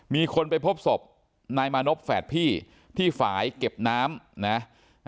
มีคนไปพบศพนายมานพแฝดพี่ที่ฝ่ายเก็บน้ำนะ